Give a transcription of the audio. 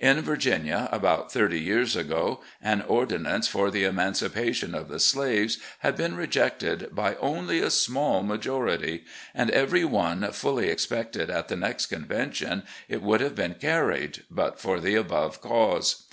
In Vii^nia, about thirty years ago, an 232 RECOLLECTIONS OF GENERAL LEE ordinance for the emancipation of the slaves had been rejected by only a small majority, and every one fully expected at the next convention it would have been carried, but for the above cause.